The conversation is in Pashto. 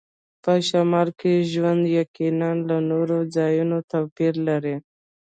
په شمال کې ژوند یقیناً له نورو ځایونو توپیر لري